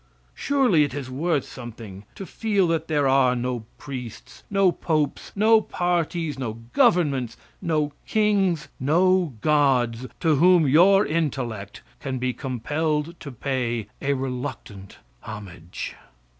Surely it is worth something to feel that there are no priests, no popes, no parties, no governments, no kings, no gods to whom your intellect can be compelled to pay a reluctant homage.